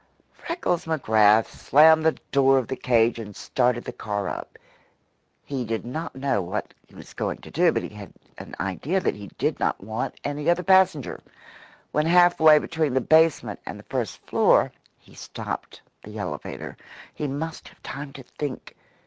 Freckles McGrath slammed the door of the cage and started the car up. He did not know what he was going to do, but he had an idea that he did not want any other passenger. When half way between the basement and the first floor, he stopped the elevator. He must have time to think.